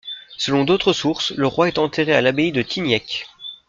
Selon d'autres sources, le roi est enterré à l'abbaye de Tyniec.